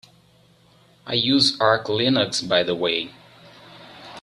I use Arch Linux by the way.